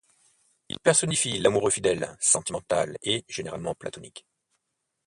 Il personnifie l'amoureux fidèle, sentimental et généralement platonique.